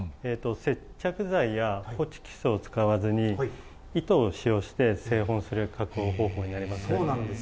接着剤やホチキスを使わずに糸を使用して製本する加工方法になります。